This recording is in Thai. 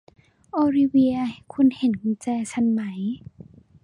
โอลิเวียคุณเห็นกุญแจฉันไหม